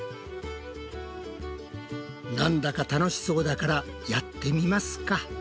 なんだか楽しそうだからやってみますか！